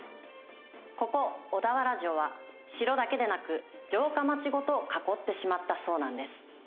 ここ、小田原城は城だけでなく、城下町ごと囲ってしまったそうなんです。